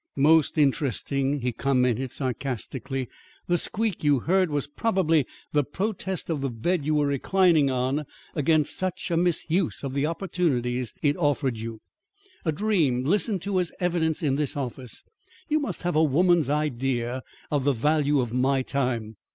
"Most interesting," he commented sarcastically. "The squeak you heard was probably the protest of the bed you were reclining on against such a misuse of the opportunities it offered you. A dream listened to as evidence in this office! You must have a woman's idea of the value of my time."